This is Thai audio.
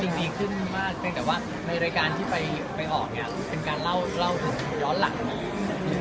จริงดีขึ้นมากแต่ว่าในรายการที่ไปออกเป็นการเล่าถึงย้อนหลัง